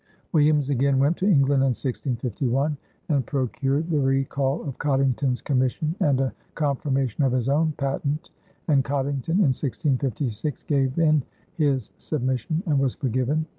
Williams again went to England in 1651 and procured the recall of Coddington's commission and a confirmation of his own patent, and Coddington in 1656 gave in his submission and was forgiven.